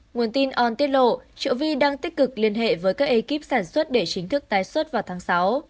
nguồn tin on tiết lộ trợ vi đang tích cực liên hệ với các ekip sản xuất để chính thức tái xuất vào tháng sáu